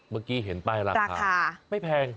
เมื่อกี้เห็นป้ายราคาไม่แพง